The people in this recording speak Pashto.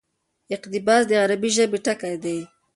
اقتباس: د عربي ژبي ټکى دئ.